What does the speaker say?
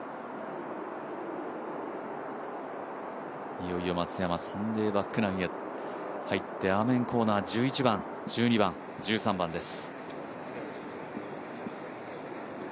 いよいよ松山、サンデーバックナインへ入ってアーメンコーナー、１１番、１２番、１３番です。